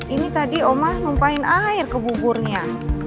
ini tadi oma numpain air ke buburnya